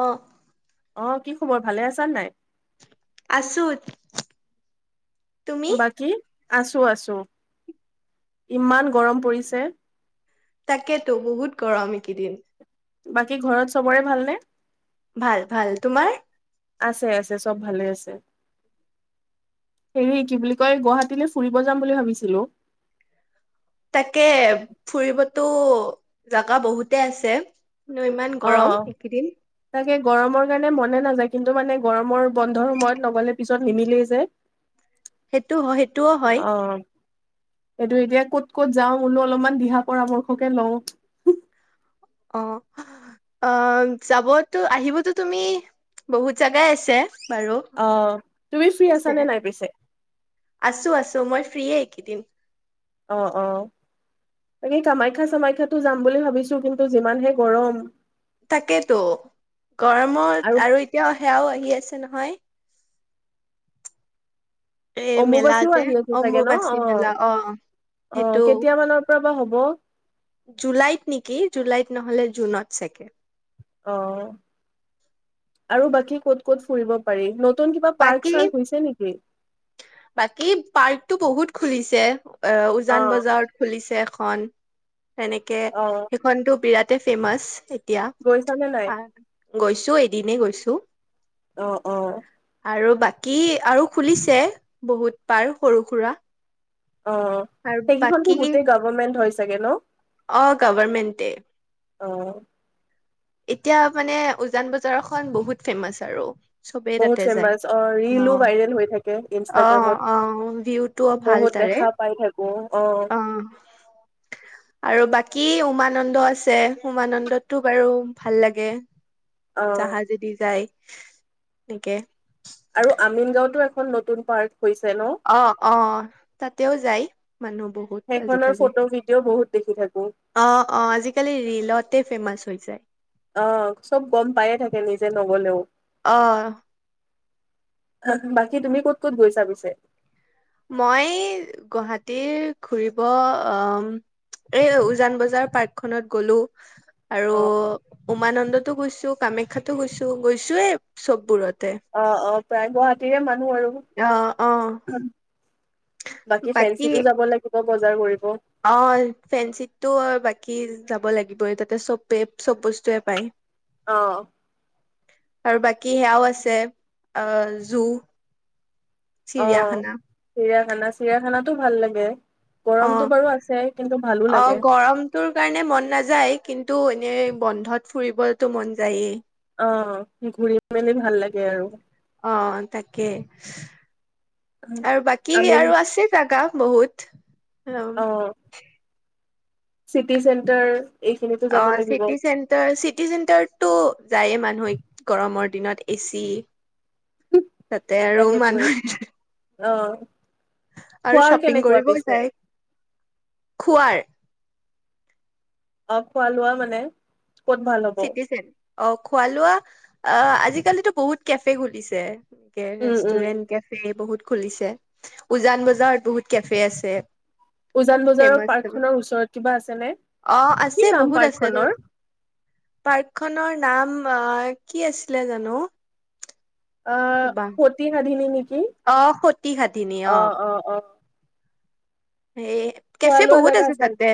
অ। অ কি খবৰ ভালে আছান নাই। আছো। তুমি বাকী। আছো আছো ইমান গৰম পৰিছে। তাকেতো বহুত গৰম এইকেইদিন। বাকী ঘৰত চবৰে ভালনে‌। ভাল ভাল তোমাৰ। আছে আছে চব ভালে আছে হেৰি কি বুলি কয় গুৱাহাটীলৈ ফুৰিব যাম বুলি ভাবিছিলো। তাকে ফুৰিবতো জাগা বহুতে আছে। ন ইমান গৰম এইকেইদিন। এই গৰমৰ কাৰণে মনে নাযায় কিন্তু মানে গৰমৰ বন্ধৰ সময়ত নগলে পিছত নিমিলেই যে। সেইটো সেইটোও হয়। এইটো এতিয়া ক'ত ক'ত যাওঁ বোলো অলপমান দিহা পৰামৰ্শকে লওঁ। অ', অ', যাবতো আহিবতো তুমি বহুত জাগাই আছে। বাৰু অ তুমি ফ্ৰী আছানে নাই পিছে? আছো আছো মই ফ্ৰী একেইদিন। অ', অ', তাকে কামাখ্যা চামাখ্যাতো যাম বুলি ভাবিছো কিন্তু যিমানহে গৰম। তাকেতো গৰমত আৰু এতিয়া সেয়াও আ কি আছে নহয়। এ মেলা অমুবাচীও যে আহি আছে চাগে ন অম্বুবাচী মেলা অ', অ', সেইটো কেতিয়ামানৰ পৰা বা হ'ব ব। জুলাইত নেকি জুলাইত নহ'লে জুনত চাগে। অ', আৰু বাকী ক'ত ক'ত ফুৰিব পাৰি কিবা পাৰ্ক বাকী চাৰ্ক হৈছে নেকি বাকী পাৰ্কতটো বহুত খুলিছে অ উজান বজাৰত খুলিছে স তেনেকে অ সেইখনতো বিৰাট তে ফেমছ এতিয়া গৈছানে নাই আৰু গৈছো এদিনে গৈছো অ অ আৰু বাকী আৰু খুলিছে বহুত পাৰ সৰু সুৰা অ আৰু সেইকেইখনতো বাকী গোটেই গভমেণ্ট হৈছে চাগ ল অ গভৰমেণ্টে আহ এতিয়া মানে উজান বজাৰখন বহুত ফেমাচ আৰু চবেই বহুত তাতে যায় ফেমাচ আহ অ ৰিলো ভাইৰেল হৈ থাকে অ অ ভিউটোও ইনষ্টাগ্ৰামত ভাল বহুত তাৰে দেখা পাই থাকো আহ অ কি উমানন্দ আছে উমানন্দততটো বাৰু ভাল লাগে অ জাহাজদি যায় সেকে আৰু আমিন গাঁওতো এখন নতুন পাৰ্ট অ অ তাতেও যায় মানুহ বহুত সেইখনৰ আজিকালি ফটো ভিডিঅ' বহুত দেখি থাকো অ অ আজিকালি ৰলতে ফেমাচ হৈৈ যায় আহ চব গম পায়ে থাকে নিজে নগলেও অ বাকী তুমি ক'ত ক'ত গৈছ পিছে মই গুৱাহতিীৰ ঘুৰিব আহ এই উজান বজাৰ পাৰ্কখনত গ'লো আৰু অ'। উমানন্দত অ' গৈছো কামাখ্যাতো গৈছো। গৈছোয়েই চব বোৰত। অ' অ' প্ৰায় গুৱাহাটীৰে মানুহ আৰু অ অ বাকী ফেন্সিতো যাব লাগিব। বজাৰ কৰিব অ' ফেঞ্চিত টো বাকী যাব লাগিবই, তাতে চব চব বস্তুৱে পায়। অ' আৰু বাকী সেয়াও আছে অ ' অ' চিৰিয়াখানা, চিৰিয়াখানাত টো ভাল লাগে। গৰমটো অ' বাৰু আছে কিন্তু ভালো অ' লাগে গৰমটোৰ কাৰণে মন নাযায় কিন্তু, এনে বন্ধত ফুৰিবতো মন যায়েই। অ' ঘূৰি মেলি ভাল লাগে আৰু অ' তাকে। আৰু বাকী আমি আৰু আছে জাগা বহুত অ' চিটি চেন্টাৰ অ', চিটি চেণ্টাৰ, চিটি চেণ্টাৰতটো যায়ে মানুহে গৰমত। দিনত এচি তাতে আৰু তাকেতো মানুহ অ'। আৰু খোৱাৰ শ্বপিং কেনেকুৱা কৰিবই পিছে যায়, খোৱাৰ? অ', খোৱালোৱা মানে? ক'ত ভাল হ'ব? চিটিচেন, অ', খোৱা লোৱা অ', আজিকালিতো বহুত কেফে খুলিছে। একে উম, উম, ৰেষ্টুৰেণ্ট কেফে বহুত খুলিছে, উজান বজাৰ বহুত কেফে আছে। উজান বজাৰৰ ফেমাচ পাৰ্কখনৰ ওচৰত কিবা আছেনে? অ কি নাম পাৰ্কখনৰ? পাৰ্কখনৰ নাম অ, কি আছিলে জানো? অ', ৰবা সতি সাধিনী নেকি? অ সতী সাধিনী অ', অ', অ'। হেই খোৱা কেফে লোৱা বহুত জেগা আছে তাতে।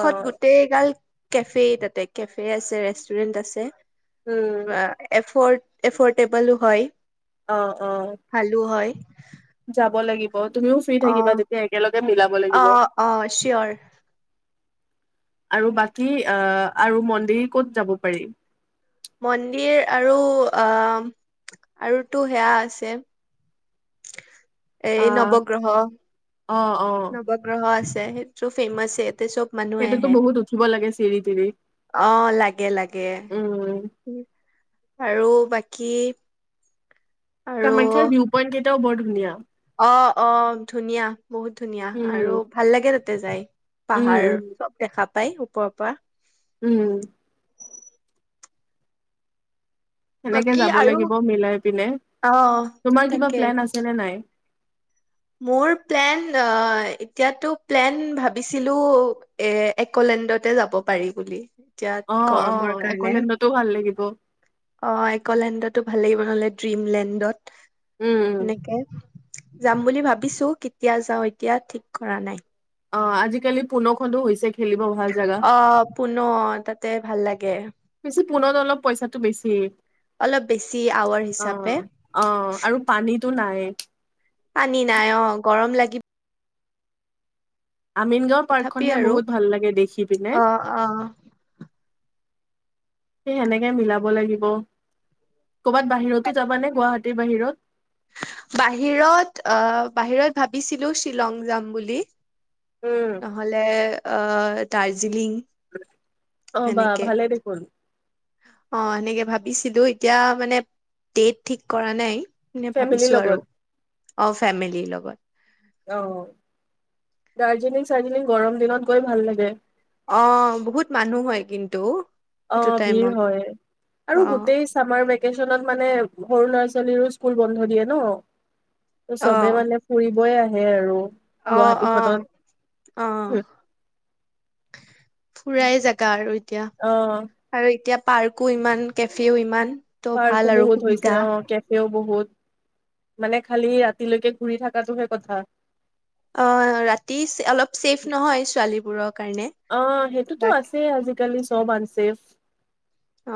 অ গোটেই গাল কেফে তাতে কেফে আছে, ৰেষ্টুৰেণ্ট আছে। উম বা এফট এফ'ৰটেবলও হয়। অ' অ'- ভালো হয় যাব লাগিব। তুমিও ফ্ৰী অ থাকিবা তেতিয়া, একেলগে মিলাব অ লাগিব। অ চিয়ৰ আৰু বাকী, অ' আৰু মন্দিৰ ক'ত যাব পাৰি? মন্দিৰ আৰু, অ' আৰুতো সেয়া আছে। এই আহ নৱগ্ৰহ অ' অ' চ' ফেমাছে, তাতে চব মানুহে সেইটোতো আহে বহুত উঠিব লাগে চিৰি তিৰি অ' লাগে লাগে উম আৰু বাকী আৰু কামাখ্যাৰ ভিউ পইণ্ট কেইটাওঁ বৰ ধুনীয়া ধুনীয়া অঁ অঁ ধুনীয়া বহুত ধুনীয়া আৰু উম ভাল লাগে ত তে যায় উম পাহাৰ উম চব দেখা পাই ওপৰৰ পৰা উম সেনেকে বাকী যাব আৰু লাগিব মিলাই পিনে অ' তোমাৰ কিবা তাকে প্লেন আছে নে নাই মোৰ প্লেন এতিয়াতো প্লেন ভাবিছিলো এ একলেণ্ডতে যাব পাৰি বুলি এতিয়াত অ অ গৰমৰ কাৰণে একলেণ্ডতো ভাল লাগিব অঁ আইকলেণ্ডত ভাল লাগিব নহলে ড্ৰিমলেণ্ডত উম উম এনেকৈ যাম বুলি ভাবিছো কেতিয়া যাও এতিয়া ঠিক কৰা নাই অঁ আজিকালি পোনখনো হৈছে খেলিব ভাল জাগা অঁ পুনৰ তাতে ভাল লাগে বেছি পুনত অলপ পইচাটো বেছি অলপ বেছি আৱৰ হিচাপে ত নাই পানী নাই অঁ গৰম লাগিব আমিন গাঁও তথাপি পাৰ্কখনহে আৰু বহুত ভাল লাগে দেখি পিনে অ অ সেই সেনেকৈ মিলাব লাগিব কৰ'বাত বাহিৰতো যাবানে গুৱাহাটীৰ বাহিৰত বাহিৰত আহ বাহিৰত ভাবিছিলো শ্বিলং যাম বুলি উম নহলে দাৰ্জিলিং অঁ বাহ ভালে দেখোন অঁ সেনেকৈ ভাবিছিলো এতিয়া মানে ডেট ঠিক কৰা নাই এনে ফেমিলিৰ ভাবিছো আৰু লগত অঁ ফেমিলিৰ লগত অঁ দাৰ্জিলিং চাৰ্জিলিং গৰম দিনত গৈ ভাল লাগে অঁ বহুত মানুহ হয় কিন্তু সেইটো অঁ ভিৰ টাইমত হয় আৰু অ', গোটেই চামাৰ মানে সৰু ল'ৰা ছোৱালীৰো স্কুল বন্ধ দিয়ে ন চবে অ', মানে ফুৰিবই আহে সেয়ে আৰু অ', অ', গুৱাহাটীখনত অ অ'--ফুৰাই জেগা আৰু এতিয়া আৰু এতিয়া পাৰ্কো ইমান, কেফেও ইমান ত' ভাল পাৰ্কো আৰু বহুত সুবিধা হৈছে অ' কেফেও বহুত, মানে খালি ৰাতিলৈকে ঘূৰি থকাটোহে কথা। অ' ৰাতি যে অলপো ছেফ নহয় ছোৱালীবোৰৰ। কাৰণে অ' সেইটোতো বাকী আছে, আজিকালি চব আনছেফ ছেফ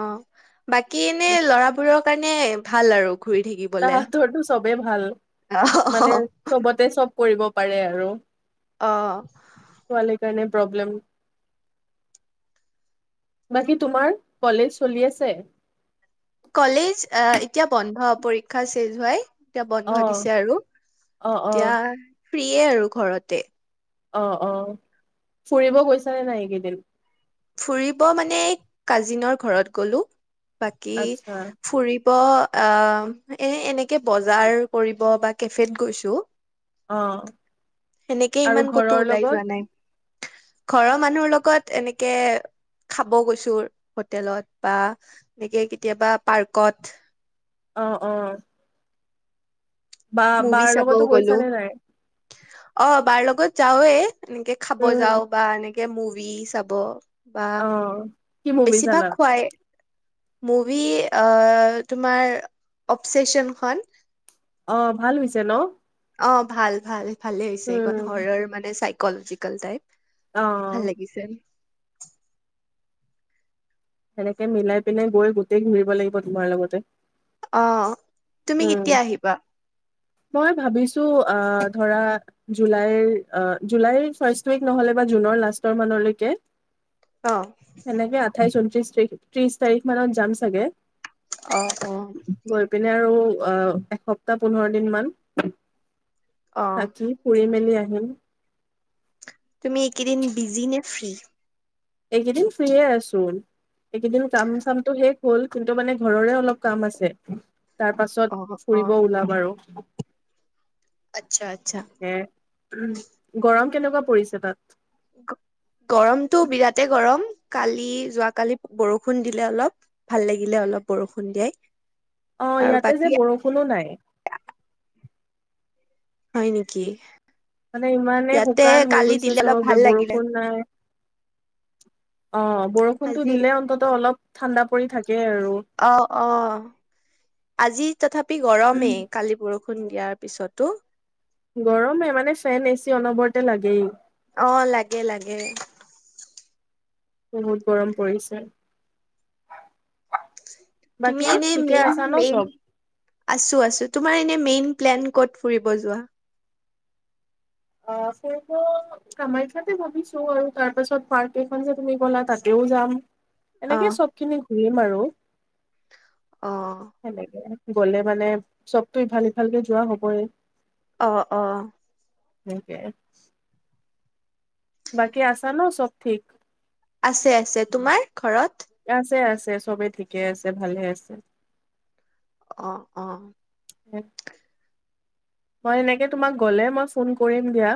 অ', বাকী এনে ল'ৰাবোৰক কাৰণে ভাল আৰু। ঘূৰি থাকিবলে। চবে ভাল। মানে অ', চবতে চব কৰিব পাৰে আৰু। অহ। ছোৱালীৰ কাৰণে প্ৰব্লেম, বাকী তোমাৰ কলেজ চলি আছে? কলেজ অহ, এতিয়া বন্ধ পৰীক্ষা শেষ হোৱাই। এতিয়া অ বন্ধ দিছে আৰু অ অ এতিয়া ফ্ৰিয়ে আৰু ঘৰতে। অহ, অহ ফুৰিব গৈছা নে নাই এইকেইদিন? ফুৰিব মানে কাজিনৰ ঘৰত গ'লো বাকী আচ্ছা ফুৰি ব আ এনে, এনে বজাৰ কৰিব বা কেফেত গৈছো। অ', সেনেকে আৰু ইমান ক'তো ঘৰৰ ওলাই যোৱা লগত? নাই ঘৰৰ মানুহৰ লগত এনেক কে খাব গৈছো হোটেলত বা এনেকে কেতিয়াবা পাৰ্কত অ, অ। বা মুভি বাৰ চাবও লগতো গ'লো গৈছা নে নাই? অ, বাৰ লগত যাওঁৱে এনেকে খাব উম যাওঁ বা এনেক কে মুভি চাব বা অ কি মুভি বেছিভাগ চালা খোৱাই মুভি, অ', তোমাৰ অৱচেছনখন অ, ভাল হৈছে ন? অ, ভাল- ভাল। ভালেই হৈছে এইখন, উম হৰৰ মানে চাই কল'জিকেল টাইপ অ ভাল লাগিছে। সেনেকে মিলাই পিনাই গৈ গোটেই ঘূৰিব লাগিব তোমাৰ লগতে। অ, তুমি উম কেতিয়া আহিবা? মই ভাবিছো, অ', ধৰা জুলাইৰ অ জুলাইৰ ফাৰ্ষ্ট উইক নহলে বা জুনৰ লাষ্টৰ মানলৈকে অ সেনেকে আঠাইছ ঊন ত্ৰিছ তিৰিখ, ত্ৰিছ তাৰিখ মানত যাম চাগে। অ', অ'। গৈ পিনে আৰু অ', এসপ্তাহ পোন্ধৰ দিন মান। অ থাকি ফুৰি মেলি আহি [unintelligible] তুমি এই কেইদিন বিজি নে, ফ্ৰী? এইকেইদিন ফ্ৰীয়ে আছো, এইকেইদিন কাম চামটো শেষ হ'ল কিন্তু মানে ঘৰৰে অলপ কাম আছে। তাৰ অ পাছত অ ফুৰিব ওলাম আৰু। আচ্ছা আচ্ছা [unintelligible] গৰম কেনেকুৱা পৰিছে তাত? [unintelligible] গৰমতটো বিৰাটে গৰম। কালি যোৱাকালি বৰষুণ দিলে অলপ, ভাল লাগিলে অলপ বৰষুণ দিয়াই। অ', আৰু ইয়াতে বাকী যে, বৰষুণো নাই। হয়, নেকি? মানে ইমানে ইয়াতে শুকান হৈ কালি গৈছে দিলে অলপ চব ভাল লাগিলে বৰষুণ নাই। অ', বৰষুণটো আজি দিলে অন্তত অলপ ঠাণ্ডা পৰি থাক অ', অ', আজি তথাপি গৰমেই কালি বৰষু ষূণ দিয়াৰ পিছতো। গৰমে মানে ফেন, এ চি অনবৰতে লাগেই। অ', লাগে লাগে। বহুত গৰম পৰিছে। তুমি বাকী এনে ঠিকে মেইন আছা ন মেইন, চব? আছোঁ আছোঁ তোমাৰ এনে মেইন প্লেন ক'ত ফুৰিব যোৱা? অ', ফুৰিব কামাখ্যাতে ভাবিছোঁ আৰু তাৰপাছত পাৰ্ক কেইখন যে তুমি গ'লা তাতেও যাম। অ এনেকে চব খিনি ঘূৰিম আৰু। অ সেনেকে। গ'লে মানে চবতো ইফাল সিফালকে যোৱা হ'বই। অ', অ'। [unintelligible] বাকী আছা ন' চব ঠিক? আছে আছে তোমাৰ ঘৰত? চবেই ঠিকে আছে ভালে আছে। অ', অ'। মই এনেকে তোমাক গ'লে মই ফোন কৰিম দিয়া।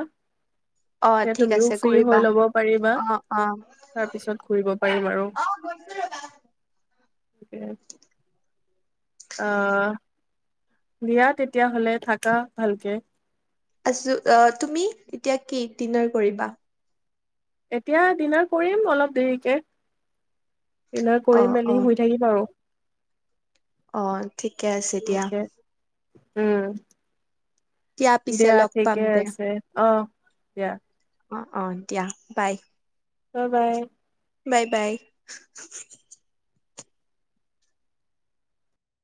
তে অ' ঠিক তুমিও আছে। ফ্ৰী হৈ কৰিবা ল'ব পাৰিবা। অ' অ' তাৰ পিছত ঘুৰিব পাৰিম সে আহ দিয়া, তেতিয়াহলে থাকা ভালকে। আছো, তুমি এতিয়া কি ডিনাৰ কৰিবা? এতিয়া দিনাৰ কৰিম অলপ দেৰিকে। অ কৰি অ মেলি শুই থাকিম আৰু অ' ঠিকে আছে দিয়া। উম! পিছে দিয়া লগ পাম ঠিকে দিয়া আছে। অ' এতিয়া অ' অ' দিয়া বাই। অ' বাই। বাই, বাই।